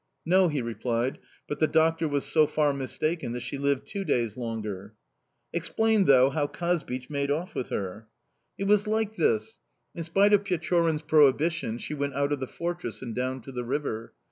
"No," he replied, "but the doctor was so far mistaken that she lived two days longer." "Explain, though, how Kazbich made off with her!" "It was like this: in spite of Pechorin's prohibition, she went out of the fortress and down to the river.